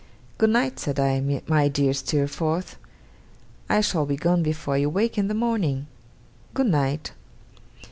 'Good night!' said I, 'my dear Steerforth! I shall be gone before you wake in the morning. Good night!